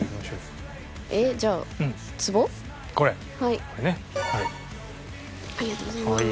はい。